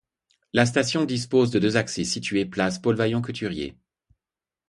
La station dispose de deux accès situés place Paul-Vaillant-Couturier.